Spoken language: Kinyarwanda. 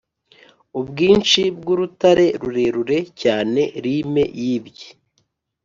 ubwinshi bwurutare, rurerure cyane rime yibye,